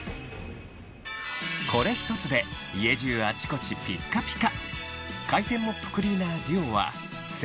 これ一つで家中あちこちピッカピカ！